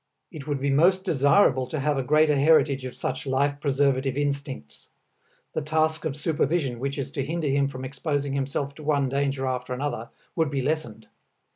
It would be most desirable to have a greater heritage of such life preservative instincts; the task of supervision, which is to hinder him from exposing himself to one danger after another, would be lessened.